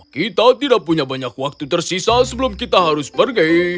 kita tidak punya banyak waktu tersisa sebelum kita harus pergi